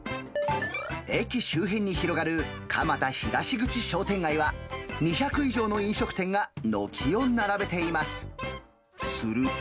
駅周辺に広がる蒲田東口商店街は、２００以上の飲食店が軒を並べています。